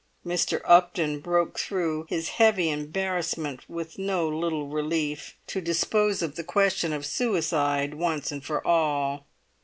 Mr. Upton broke through his heavy embarrassment with no little relief, to dispose of the question of suicide once and for all.